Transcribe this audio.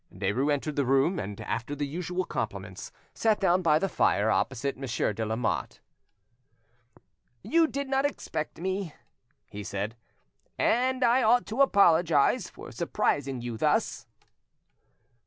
Derues entered the room, and, after the usual compliments, sat down by the fire, opposite Monsieur de Lamotte. "You did not expect me," he said, "and I ought to apologise for surprising you thus."